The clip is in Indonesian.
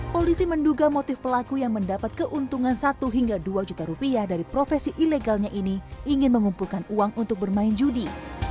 polisi menduga motif pelaku yang mendapat keuntungan satu hingga dua juta rupiah dari profesi ilegalnya ini ingin mengumpulkan uang untuk bermain judi